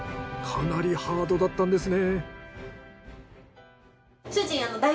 かなりハードだったんですね。